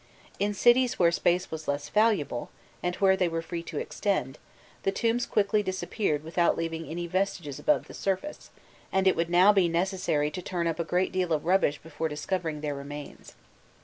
In cities where space was less valuable, and where they were free to extend, the tombs quickly disappeared without leaving any vestiges above the surface, and it would now be necessary to turn up a great deal of rubbish before discovering their remains.